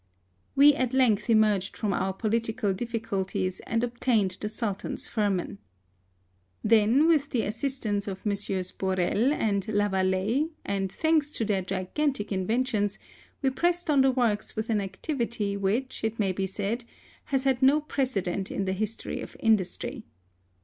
We at length emerged from our political difficulties and obtained the Sultan's firman. THE SUEZ CANAL. 77 Then with the assistance of Messieurs Borel and Lavalley, and thanks to their gigantic inventions, we pressed on the works .with an activity which, it may be said, has had no precedent in the history of industry.